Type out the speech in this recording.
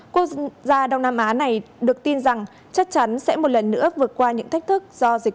quốc gia đông nam á này được tin rằng chắc chắn sẽ một lần nữa vượt qua những thách thức do dịch